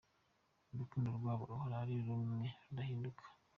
Urukundo rwabo ruhora ari rumwe rudahinduka.